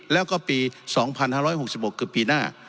แล้วก็ปี๒๕๖๖คือปีหน้า